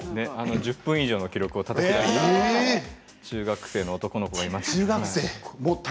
１０分以上の記録をたたき出した中学生の男の子がいました。